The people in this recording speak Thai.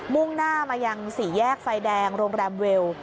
่งหน้ามายังสี่แยกไฟแดงโรงแรมเวล